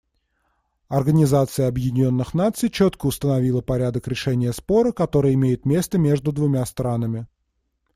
Организация Объединенных Наций четко установила порядок решения спора, который имеет место между двумя странами.